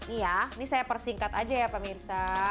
nih ya ini saya persingkat aja ya pak mirsa